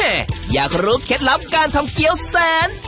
เอ่อยากรู้เคล็ดล้ำการทำเกี๊ยวแสน